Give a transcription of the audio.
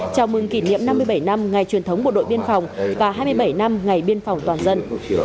chào mừng kỷ niệm năm mươi bảy năm ngày truyền thống bộ đội biên phòng và hai mươi bảy năm ngày biên phòng toàn dân